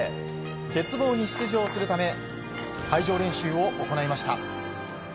鉄棒に出場するため会場練習を行いました。